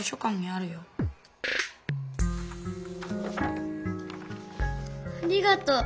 ありがとう。